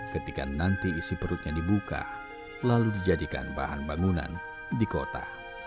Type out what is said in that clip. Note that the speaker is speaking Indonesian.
ketika nanti isi perutnya dibuka lalu dijadikan bahan bangunan di kota